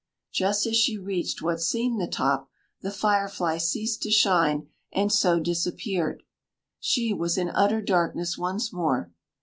Just as she reached what seemed the top, the fire fly ceased to shine, and so disappeared. She was in utter darkness once more.